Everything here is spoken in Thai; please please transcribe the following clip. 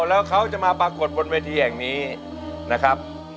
แล้วเขาจะมาปรากฏบนเวทีแห่งนี้นะครับ